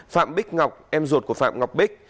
phạm bích ngọc em ruột của phạm ngọc bích